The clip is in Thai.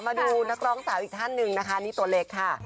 มาดูนักร้องสาวอีกท่านหนึ่งนะคะนี่ตัวเล็กค่ะ